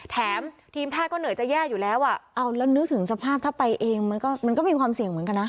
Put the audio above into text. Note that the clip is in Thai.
แถมทีมแพทย์ก็เหนื่อยจะแย่อยู่แล้วอ่ะเอาแล้วนึกถึงสภาพถ้าไปเองมันก็มีความเสี่ยงเหมือนกันนะ